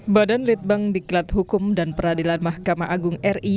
badan litbang diklat hukum dan peradilan mahkamah agung ri